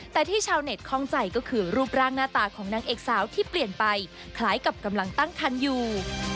แต่ที่ชาวเน็ตคล่องใจก็คือรูปร่างหน้าตาของนางเอกสาวที่เปลี่ยนไปคล้ายกับกำลังตั้งคันอยู่